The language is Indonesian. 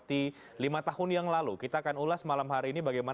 kedua pasangan jokowi maru merupakan selamat